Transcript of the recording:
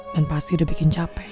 dan pasti udah bikin capek